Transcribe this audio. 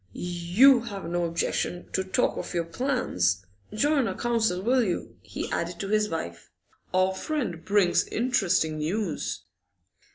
'You have no objection to talk of your plans? Join our council, will you?' he added to his wife. 'Our friend brings interesting news.